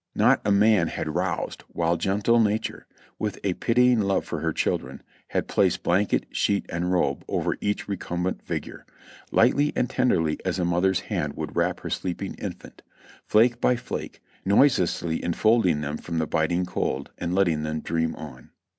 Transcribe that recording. Not a man had roused while gentle Nature, with a pitying lo\e for her children, had placed blanket, sheet and robe over each recumbent figure, lightly and tenderly as a mother's hand would wrap her sleeping infant ; fiake by flake, noiselessly enfolding them from the biting cold, and letting them dream on.